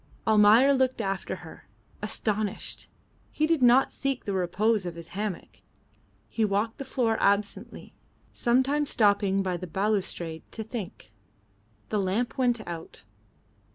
Almayer looked after her, astonished. He did not seek the repose of his hammock. He walked the floor absently, sometimes stopping by the balustrade to think. The lamp went out.